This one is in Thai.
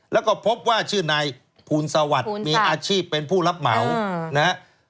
แล้วก็พบว่าชื่อนายภูณสวัสดิ์ภูณสวัสดิ์มีอาชีพเป็นผู้รับเหมานะฮะ